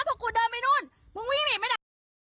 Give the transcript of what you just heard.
พวกกูเดินไปนู่นมึงวิ่งหนีไม่ได้